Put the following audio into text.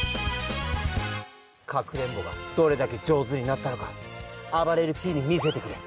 かくれんぼがどれだけじょうずになったのかあばれるＰにみせてくれ。